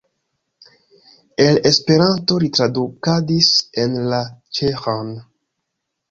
El Esperanto li tradukadis en la ĉeĥan.